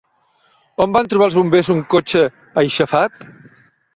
On van trobar els bombers un cotxe aixafat?